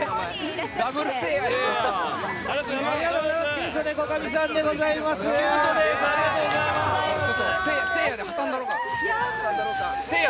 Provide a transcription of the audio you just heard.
ダブルせいや？